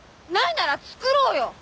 ないならつくろうよ！